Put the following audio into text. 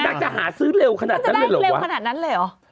แต่จะหาซื้อเร็วขนาดนั้นเลยหรือวะมันจะได้เร็วขนาดนั้นเลยหรือ